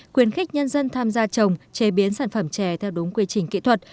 khuyến khích nhân dân tham gia trồng chế biến sản phẩm chè theo đúng quy trình kỹ thuật